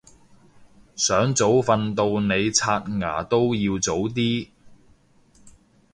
想早瞓到你刷牙都要早啲